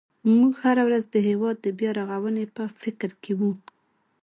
موږ هره ورځ د هېواد د بیا رغونې په فکر کې وو.